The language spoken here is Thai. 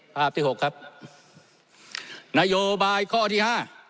ภาพที่หกครับนโยบายข้อที่ห้า